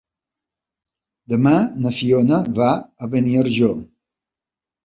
Demà na Fiona va a Beniarjó.